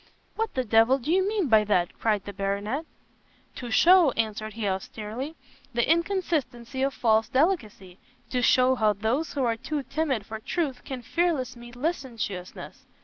"What the d l do you mean by that?" cried the Baronet. "To shew," answered he, austerely, "the inconsistency of false delicacy; to show how those who are too timid for truth, can fearless meet licentiousness."